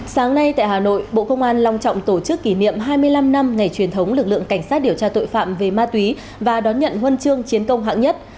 sáng nay tại hà nội bộ công an long trọng tổ chức kỷ niệm hai mươi năm năm ngày truyền thống lực lượng cảnh sát điều tra tội phạm về ma túy và đón nhận huân chương chiến công hạng nhất